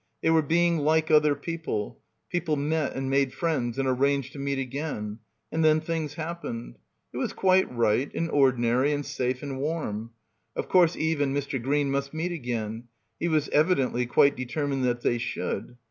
They were being like 'other people.' Peo ple met and made friends and arranged to meet again. And then things happened. It was quite right and ordinary and safe and warm. Of course Eve and Mr. Green must meet again. He was evidently quite determined that they should.